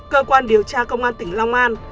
cơ quan điều tra công an tỉnh long an